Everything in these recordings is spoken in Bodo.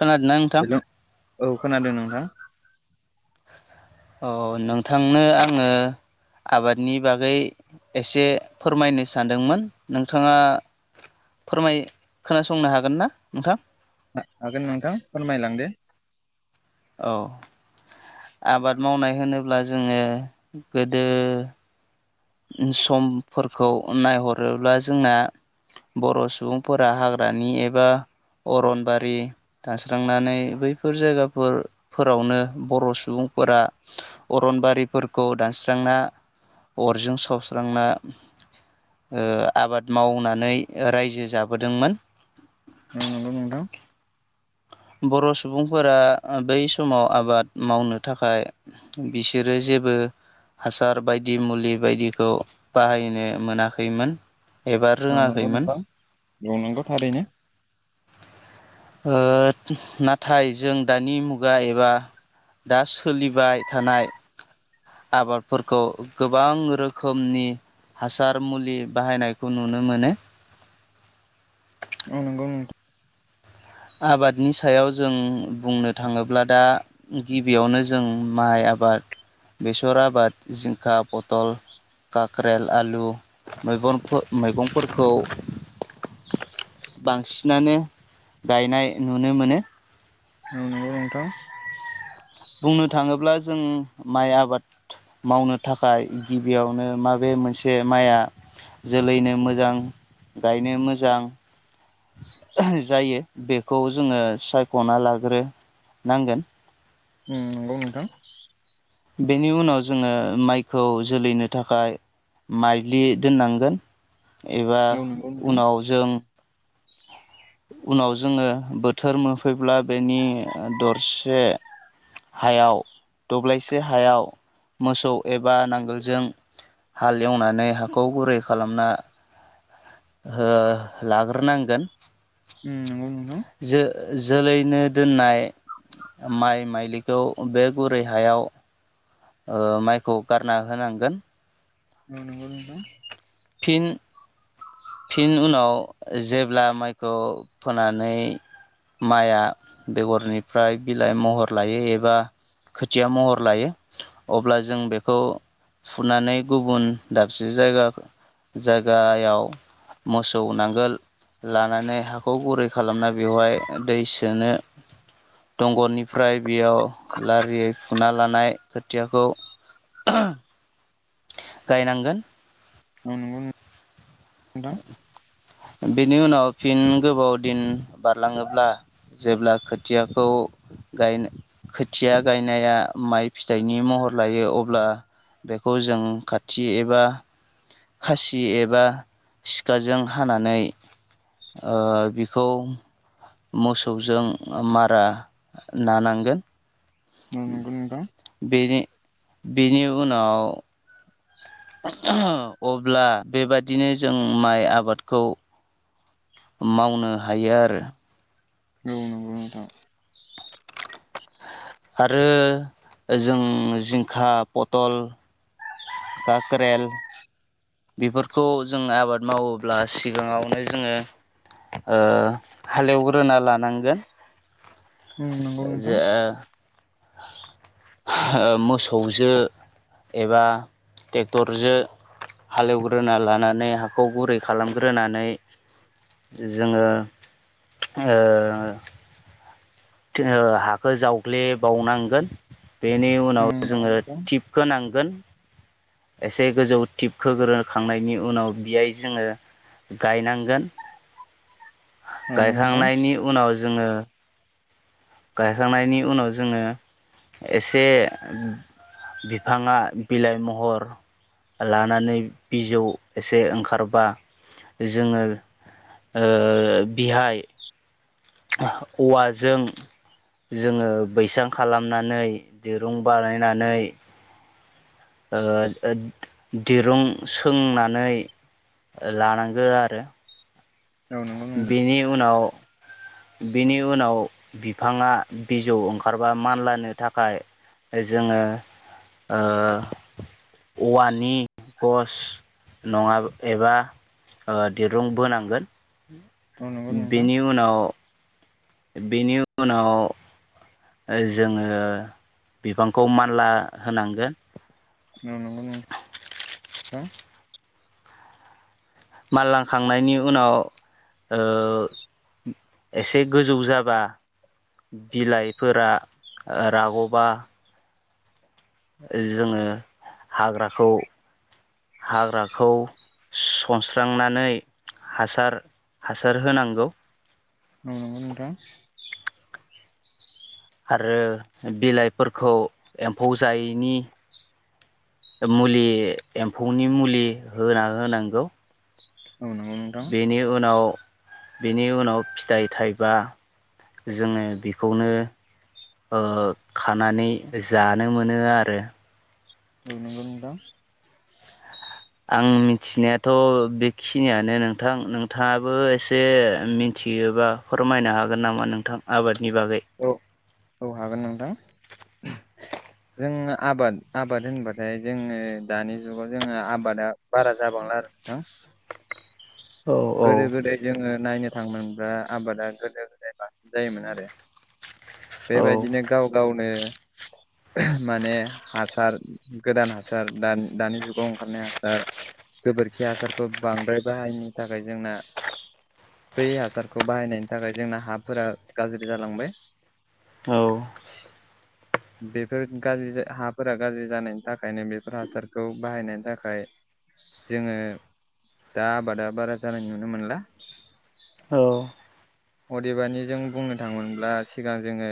खोनादोंना नोंथां? हेलौ औ खोनादों नोंथां। अ नोंथांनो आङो आबादनि बागै एसे फोरमायनो सानदोंमोन नोंथाङा फोरमाय खोनासंनो हागोन ना नोंथां? हा हागोन नोंथां फोरमायलांदे। औ। आबाद मावनाय होनोब्ला जोङो गोदो समफोरखौ नायहरोब्ला जोंना बर' सुबुंफोरा हाग्रानि एबा अरनबारि दानस्रांनानै बैफोर जायगाफोर फोरावनो बर' सुबुं फोरा अरनबारिफोरखौ दानस्रांना अरजों सावस्रांना ओ आबाद मावनानै रायजो जाबोदोंमोन। औ नंगौ नोंथां। बर' सुबुंफोरा बै समाव आबाद मावनो थाखाय बिसोरो जे जेबो हासार बायदि मुलि बायदिखौ बाहायनो मोनाखैमोन। एबा औ नोंगौ रोङाखैमोन नोंथां औ नोंगौ थारैनो। ओ नाथाय जों दानि मुगा एबा दा सोलिबाय थानाय आबादफोरखौ गोबां रोखोमनि हासार मुलि बाहायनायखौ नुनो मोनो। औ नोंगौ नों [unintelligible] आबादनि सायाव जों बुंनो थाङोब्ला दा गिबियावनो जों माइ आ आबाद बेसर आबाद, जिंखा, पतल काक्रेल, आलु मैगंफो- मैगंफोरखौ बांसिनानो गायनाय नुनो मोनो। औ नोंगौ नोंथां। बुंनो थाङोब्ला जों माइ आबाद मावनो थाखाय गिबियावनो माबे मोनस से माइआ जोलैनो मोजां गायनो मोजां [unintelligible] जायो बेखौ जोङो सायख'ना लाग्रो नांगोन। उम नंगौ नोंथां। बेनि उनाव जोङो माइखौ जोलैनो थाखाय माइदलि दोन्नांगोन। एबा औ नंगौ नोंथां उनाव जों उनाव जोङो बोथोर मोनफैब्ला बेनि ओ दरसे हायाव दब्लायसे हायाव मोसौ एबा नांगोलजों हाल एवनानै हाखौ गुरै खालामना हो लाग्रोनांगोन उम नोंगौ नों जो-जोलैनो दोननाय माइ माइलिखौ बे गुरै हायाव ओ माइखौ गारना होनांगोन। औ नोंगौ नोंथां। फिन फिन उनाव जेब्ला माइखौ फोनानै माइआ बेगरनिफ्राय बिलाइ महर लायो एबा खोथिया महर लायो अब्ला जों बेखौ फुनानै गुबुन दाबसे जायगा-जायगायाव मोसौ नांगोल लानानै हाखौ गुरै खालामना बेवहाय दै सोनो दंग'निफ्राय बेयाव लारियै फुना लानाय खोथियाखौ [unintelligible] गायनांगोन [unintelligible] नोंथां बेनि उनाव फिन गोबाव दिन बारलाङोब्ला जेब्ला खोथियाखौ गायनो खोथिया गायनाया माइ फिथाइनि म हर लायो अब्ला बेखौ जों खाथि एबा खासि एबा सिखाजों हानानै ओ बिखौ मोसौजों ओ मारा नानांगोन औ नोंगौ नोंतां बेनि बेनि उनाव [unintelligible] अब्ला बेबादिनो जों माइ आबादखौ मावनो हायो आरो औ नंगौ नोंथां। आरो जों जिंखा, पतल काक्रेल बेफोरखौ जों आबाद मावोब्ला सिगाङावनो जोङो ओ हालेवग्रोना लानांगोन उम नंगौ नोंथां। होओ मोसौजो एबा ट्रेक्टरजो हालेवग्रोना लानानै हाखौ गुरै खालामग्रोनानै जोङो ओ जोङो हाखो जावग्लेबावनांगोन। बेनि उम उनाव नंगौ जोङो नोंथां टिपखो नांगोन। एसे गोजौ टिपखोग्रोखांनायनि उनाव बेयाय जोङो गायनांगोन औ नंगौ नोंथां गायखांनायनि उनाव जोङो गायखांनायनि उनाव जोङो एसे बिफाङा बिलाइ महर लानानै बिजौ एसे ओंखारबा जोङो ओ बिहाय औवाजों जोङो बैसां खालामनानै दिरुं बानायनानै ओ दिरुं सोंनानै ओ लानां गोन आरो औ नंगौ नोंथां बेनि उनाव बेनि उनाव बिफाङा बिजौ ओंखारबा मानलानो थाखाय। जोङो ओ औवानि गस नङा एबा ओ दिरुं बोनांगोन। औ नंगौ नोंथां बेनि उनाव बिनि उनाव ओ जोङो बिबांखौ मानला होनांगोन। औ [unintelligible] मानला खांनायनि उनाव ओ एसे गोजौ जाबा बिलाइफोरा रागबा। जोङो हाग्राखौ हाग्राखौ सनस्रांनानै हासार हासार होनांगौ औ नंगौ नोंथां। आरो बिलाइफोरखौ एम्फौ जायैनि मुलि एम्फौनि मुलि होना होनांगौ। औ बेनि उनाव बेनि उनाव फिथाइ थाइबा जोङो बेखौनो ओ खानानै जानो मोनो आरो। नंगौ नोंथां आं मिथिनायाथ' बेखिनियानो नोंथां नोंथाङाबो एसे मिथि मिथियोबा फोरमायनो हागोन नामा नोंथां आबादनि बागै। औ औ हागोन नोंथां। जों आबाद आबाद होनबाथाय जोंङो दानि जुगाव जोंङो आबादा बारा जाबांला आरो नोंथां। [inaudible] औ औ गोदो गोदाय जोङो नायनो थां मोनब्ला आबादा गोदो गोदाय बांसिन जायोमोन आरो औ बेबायदिनो गाव गावनो। माने हासार गोदान हासार दान दानि जुगाव ओंखारनाय ओ गोबोरखि आसारखौ बांद्राय बाहायनि थाखाय जोंना बै हासारखौ बाहायनायनि थाखाय जोंना हाफोरा गाज्रि जालांबाय। औ बेफोर गाज्रि हाफोरा गाज्रि जानायनि थाखायनो बेफोर हासारखौ बाहायनायनि थाखाय जोङो दा आबादा बारा जानाय नुनो मोनला। औ। अदेबानि जों बुंनो थाङोमोनब्ला सिगां जोङो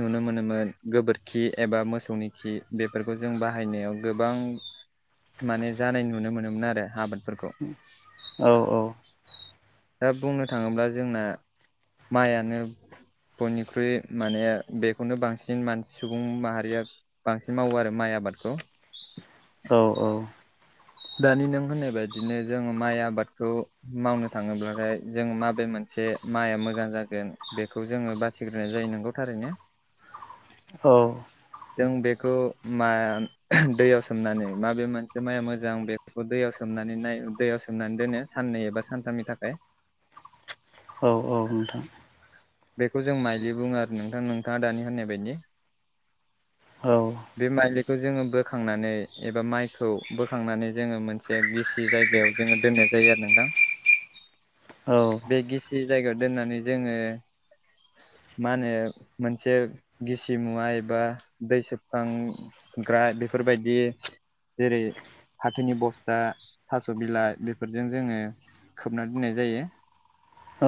नुनो मोनोमोन गोबोरखि एबा मोसौनि खि बेफोरखौ जों बाहायनायाव गोबां [unintelligible] माने जानाय नुनो मोनोमोन आरो आबादफोरखौ। औ औ। दा बुंनो थाङोब्ला जोंना मायानो बयनिख्रुइ माने बेखौनो बांसिन मानसि सुबुं माहारिया बांसिन मावो आरो माइ आ बादखौ। औ औ। दानि नों होननाय बायदिनो जोङो माइ आबादखौ मावनो थाङोब्लाथाय जों माबे मोन से माइआ मोजां जागोन बेखौ जोङो बासिग्रोनाय जायो नंगौ थारैनो। औ। जों बेखौ मा दैयाव सोमनानै माबे मोनसे माइया मोजां बेखौ दैयाव सोमनानै नाय दैयाव सोमनानै दोनो साननै एबा सानथामनि थाखाय। औ औ नोंथां। बेखौ जों माइज्लि बुङो आरो नोंथां नोंथाङा दानि होननाय बायदि। औ। बे माइलिखौ जोङो बोखांनानै एबा माइखौ बोखांनानै जोङो मोनसे गिसि जाय गायाव जोङो दोननाय जायो आरो नोंथां। [inaudible] औ बे गिसि जायगायाव दोननानै जोङो [inaudible] मा होनो मोनसे गिसि मुवा एबा दै सोबखांग्रा बेफोरबायदि जेरै फाथोनि बस्था थास' बिलाइ बेफोरजों जोङो खोबना दोननाय जायो। औ।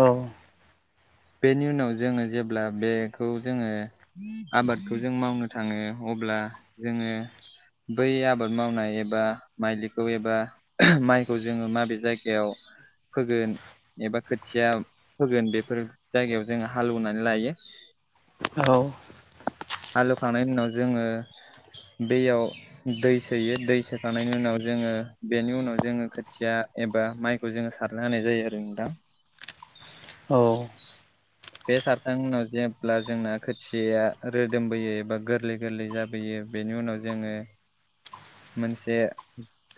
बेनि उनाव जोङो जेब्ला बेखौ जोङो आबादखौ जों मावनो थाङो अब्ला आह जोङो बै आबाद मावनाय एबा माइलिखौ एबा माइखौ जोङो माबे जायगायाव फोगोन एबा खोथिया फोगोन बेफोर जायगायाव जोङो हालेवनानै लायो। औ। हालेवखांनायनि उनाव जोङो दैयाव दै सोयो। दै सोखांनायनि उनाव जोङो बेनि उनाव जोङो खोथिया एबा माइखौ जोङो सारना होनाय जायो आरो नोंथां। औ। बे सारखां उनाव जेब्ला जोंना खोथियाया रोदोमबोयो एबा गोरलै गोरलै जाबोयो बेनि उनाव जोङो मोनसे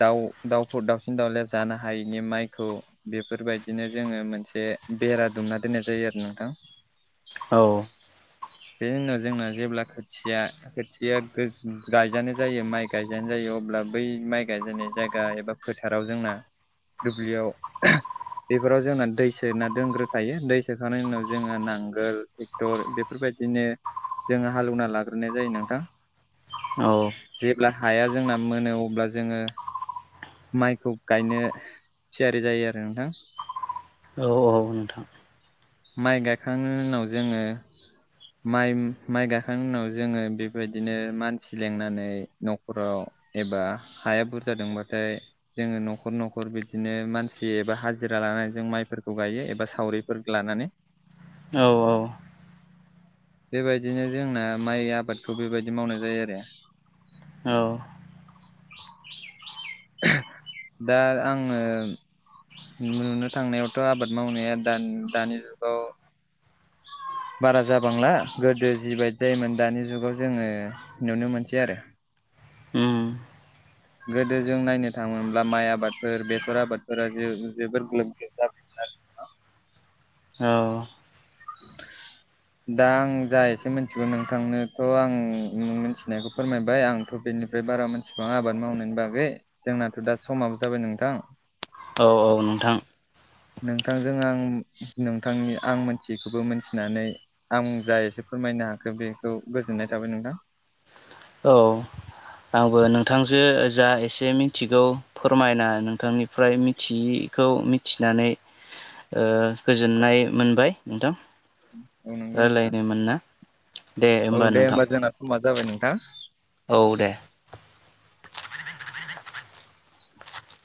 दाउ दाउफोर दावसिन दावलाया जानो हायैनि माइखौ बे फोरबायदिनो जोङो मोनसे बेरा दुमना दोननाय जायो आरो नोंथां। औ [inaudible] बेनि उनाव जोंना जेब्ला खोथिया खोथिया गोज गायजानाय जायो माइ गायजानाय जायो अब्ला बै माइ गायजानाय जायगा एबा फोथाराव जोंना दुब्लियाव बेफोराव जोंना दै सोना दोनग्रोखायो दै सोखांनायनि उनाव जोङो नांगोल टेक्टर बेफोर बायदिनो जोङो हालेवना लाग्रोनाय जायो नोंथां। औ जेब्ला हाया जोंना मोनो अब्ला जोङो माइखौ गायनो थियारि जायो आरो नोंथां औ औ नोंथां माइ गायखांनायनि उनाव जोङो माइ माइ गाखांनायनि उनाव जोङो बेबायदिनो मानसि लेंनानै न'खराव एबा हाया बुरजा दंबाथाय जोङो न'खर न'खर बिदिनो मानसि एबा हाजिरा लानानै जों माइफोरखौ गायो एबा सावरि लानानै औ औ बेबायदिनो जोंना माइ आबादखौ बेबायदि मावनाय जायो आरो [inaudible] दा आङो नुनो थांनायावथ' आबाद मावनाया दान दानि जुगाव [inaudible] बारा जाबांला गोदो जिबायदि जायोमोन दानि जुगाव जोङो नुनो मोनसै आरो उम गोदो जों नायनो थाङोब्ला माइ आबादफोर बेसर आबादफोरा जोबोर ग्लोब ग्लोब जाबायमोन आरो [inaudible] औ [inaudible] [inaudible] दा आं जा एसे मिथिगौ नोंथांनोथ' आं न मिथिनायखौ फोरमायबाय आंथ' बेनिफ्राय बारा मोनथिबांआ आबाद मावनायनि बागै जोंनाथ' दा समाबो जाबाय नोंथां औ औ नोंथां नोंथांजों आं नोंथांनि आं मोनथियखौबो मोनथिनानै आं जाय एसे फो फोरमायनो हाखो बेखौ गोजोननाय थाबाय नोंथां औ आंबो नोंथांजो जा एसे मिथिगौ फोरमायना नोंथांनिफ्राय मिथियि खौ मिथिनानै गोजोननाय मोनबाय नोंथां औ नंगौ नोंथां रायलायनो मोनना दे औ दे नोंथां होमबा जोंना समा जाबाय नोंथां औ दे